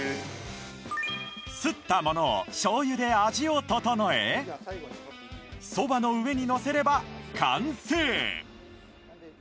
すったものを醤油で味を調えそばの上にのせれば完成！